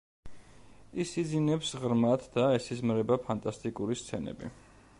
ის იძინებს ღრმად და ესიზმრება ფანტასტიკური სცენები.